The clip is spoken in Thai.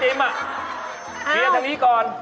เชียวทางนี้ก่อน